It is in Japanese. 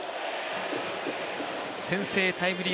先制タイムリー